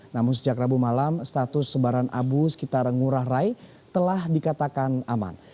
namun sejak rabu malam status sebaran abu sekitar ngurah rai telah dikatakan aman